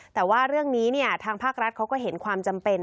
แต่ว่าเรื่องนี้ทางภาครัฐเขาก็เห็นความจำเป็น